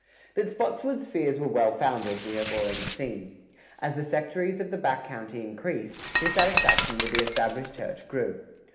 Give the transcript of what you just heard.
That Spotswood's fears were well founded, we have already seen. As the sectaries of the back country increased, dissatisfaction with the established church grew.